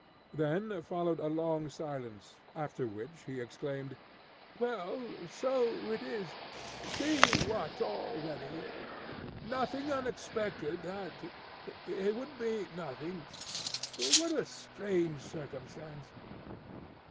Then followed a long silence, after which he exclaimed, "Well, so it is! see what already nothing unexpected that it would be nothing what a strange circumstance!"